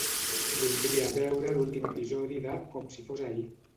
Voldria veure l'últim episodi de "Com si fos ahir".